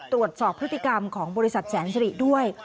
ตรวจสอบพฤติกรรมของบริษัทแสนสิริด้วย